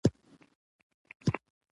هغه د خوښۍ احساس کوي .